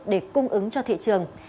để cung ứng cho thị trường